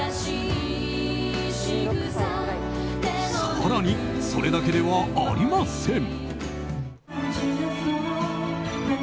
更に、それだけではありません。